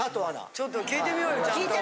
ちょっと聞いてみようよちゃんと。